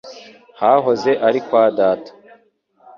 Hahoze ari kwa data